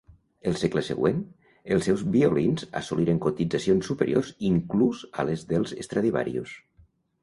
El segle següent, els seus violins assoliren cotitzacions superiors inclús a les dels Stradivarius.